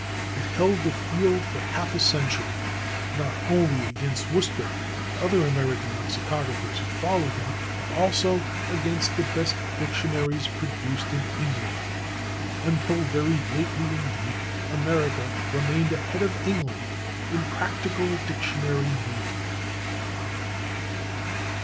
It held the field for half a century, not only against Worcester and the other American lexicographers who followed him, but also against the best dictionaries produced in England. Until very lately, indeed, America remained ahead of England in practical dictionary making.